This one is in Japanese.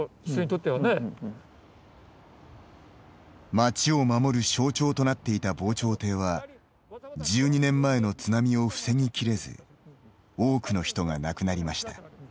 町を守る象徴となっていた防潮堤は１２年前の津波を防ぎ切れず多くの人が亡くなりました。